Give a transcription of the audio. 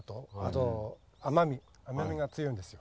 甘味が強いんですよ。